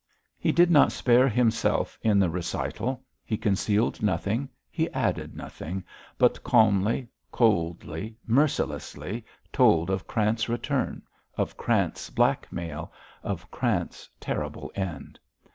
He did not spare himself in the recital; he concealed nothing, he added nothing, but calmly, coldly, mercilessly told of Krant's return, of Krant's blackmail, of Krant's terrible end.